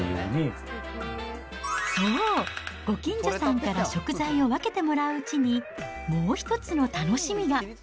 そう、ご近所さんから食材を分けてもらううちに、もう一つの楽しみが。